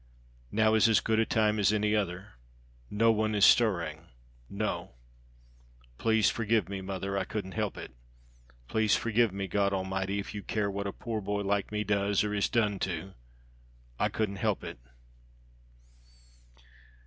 "Now is as good a time as any other; no one is stirring, no. Please forgive me, mother. I couldn't help it. Please forgive me, God Almighty, if you care what a poor boy like me does or is done to I couldn't help it."